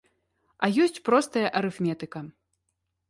А ёсць простая арыфметыка.